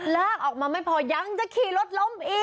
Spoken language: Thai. ลากออกมาไม่พอยังจะขี่รถล้มอีก